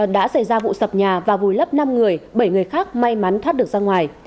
đã xảy ra vụ sập nhà và vùi lấp năm người bảy người khác may mắn thoát được ra ngoài